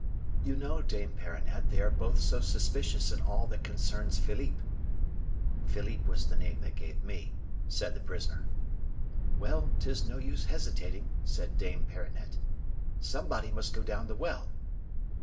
"'You know, Dame Perronnette, they are both so suspicious in all that concerns Philippe.' "Philippe was the name they gave me," said the prisoner. "'Well, 'tis no use hesitating,' said Dame Perronnette, 'somebody must go down the well.